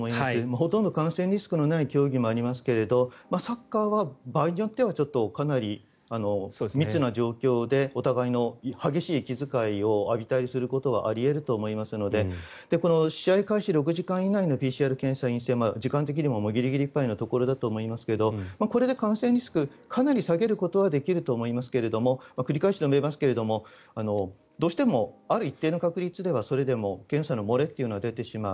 ほとんど感染リスクのない競技もありますけどサッカーは、場合によってはちょっとかなり密な状況でお互いの激しい息遣いを浴びたりすることはあり得ると思いますので試合開始６時間以内のＰＣＲ検査にしても時間的にもギリギリいっぱいのところだと思いますがこれで感染リスクかなり下げることはできると思いますが繰り返しとなりますがどうしてもある一定の確率ではそれでも検査の漏れは出てしまう。